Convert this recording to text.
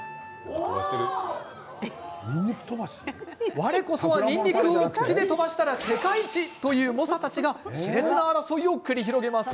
われこそは、にんにくを口で飛ばしたら世界一！という猛者たちがしれつな争いを繰り広げます。